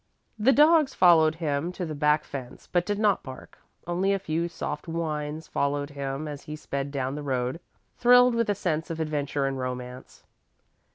The dogs followed him to the back fence, but did not bark. Only a few soft whines followed him as he sped down the road, thrilled with a sense of adventure and romance.